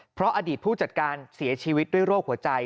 เพราะอดีตผู้จัดการเสียชีวิตด้วยโรคหัวใจ